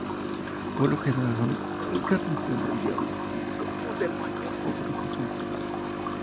Por lo general son encarnaciones del diablo, un demonio o un brujo transformado.